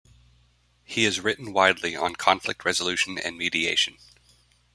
He has written widely on conflict resolution and mediation.